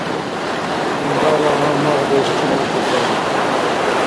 Илдала гьалмагъдеш чӀумати сари.